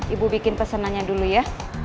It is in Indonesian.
ibu bikin pesanannya dulu ya